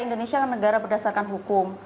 indonesia negara berdasarkan hukum